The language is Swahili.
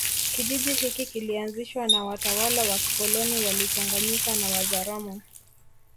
Kijiji hiki kilianzishwa na watalawa wa kikoloni walichanganyika na Wazaramo